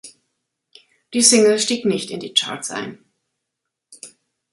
Die Single stieg nicht in die Charts ein.